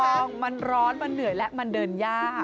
ต้องมันร้อนมันเหนื่อยแล้วมันเดินยาก